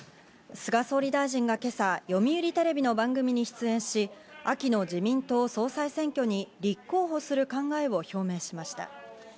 菅総理大臣が今朝、読売テレビの番組に出演し、秋の自民党・総裁選挙に立候補する考えを表明しました。